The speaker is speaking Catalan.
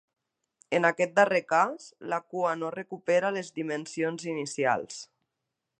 En aquest darrer cas, la cua no recupera les dimensions inicials.